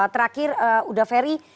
terakhir uda ferry